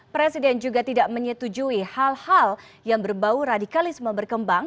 presiden juga tidak menyetujui hal hal yang berbau radikalisme berkembang